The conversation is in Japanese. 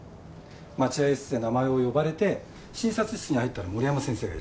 待合室で名前を呼ばれて診察室に入ったら森山先生がいらっしゃった。